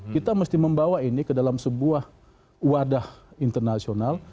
kita mesti membawa ini ke dalam sebuah wadah internasional